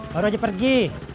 baru aja pergi